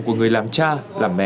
của người làm cha làm mẹ